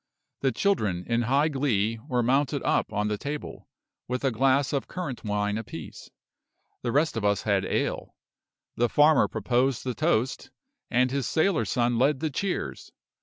The children, in high glee, were mounted up on the table, with a glass of currant wine apiece; the rest of us had ale; the farmer proposed the toast, and his sailor son led the cheers.